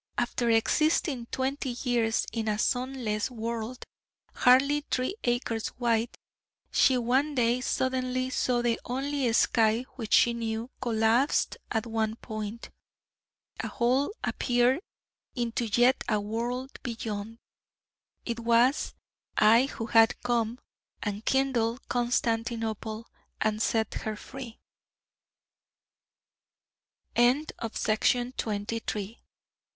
After existing twenty years in a sunless world hardly three acres wide, she one day suddenly saw the only sky which she knew collapse at one point! a hole appeared into yet a world beyond! It was I who had come, and kindled Constantinople, and set her free. Ah, I see something now! I see!